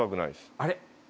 あれ？